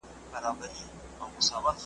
لېونی یې که بې برخي له حیا یې؟ `